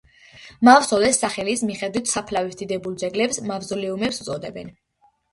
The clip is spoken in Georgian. მავსოლეს სახელის მიხედვით საფლავის დიდებულ ძეგლებს მავზოლეუმებს უწოდებენ.